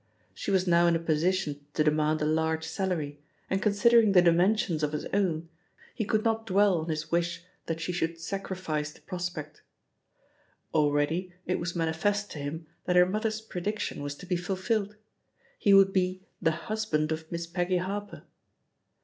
She was now in a position to demand a large salary, and considering the dimensions of his own, he could not dwell on his wish that she should sacrifice the prospect. Already it was manifest to him that her mother's prediction was to be fulfilled — ^he would be the "husband of Miss Peggy Harper."